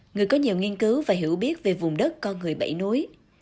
người có nhiều nghiên cứu và hiểu biết về vùng đất con người bảy nối